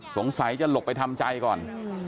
สงสัยจะหลบไปทำใจก่อน